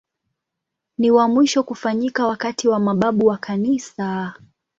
Ni wa mwisho kufanyika wakati wa mababu wa Kanisa.